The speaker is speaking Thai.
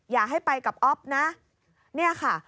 อย่าให้ไปกับอ๊อบนะ